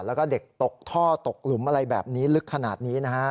แล้วก็เด็กตกท่อตกหลุมอะไรแบบนี้ลึกขนาดนี้นะฮะ